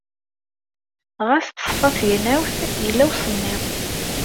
Ɣas teṣfa tegnawt, yella usemmiḍ.